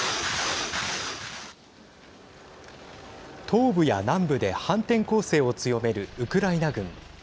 東部や南部で反転攻勢を強めるウクライナ軍。